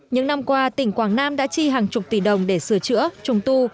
những năm qua tỉnh quảng nam đã chi hàng chục tỷ đồng để sửa chữa trung tu